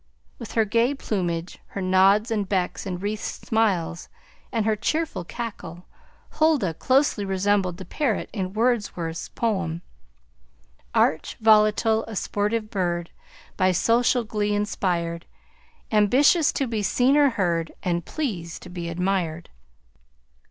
With her gay plumage, her "nods and becks and wreathed smiles," and her cheerful cackle, Huldah closely resembled the parrot in Wordsworth's poem: "Arch, volatile, a sportive bird, By social glee inspired; Ambitious to be seen or heard, And pleased to be admired!"